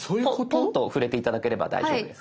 ポンと触れて頂ければ大丈夫です。